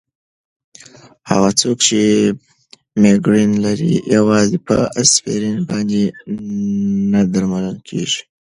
هغه څوک چې مېګرین لري، یوازې په اسپرین باندې نه درملنه کېږي.